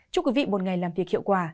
chúc quý vị một ngày làm việc hiệu quả